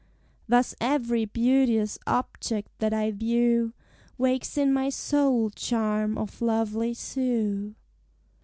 Thus every beauteous object that I view Wakes in my soul some charm of lovely Sue.